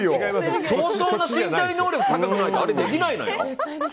相当な身体能力高くないとあれできないのよ！